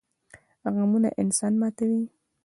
غمونه انسان ماتوي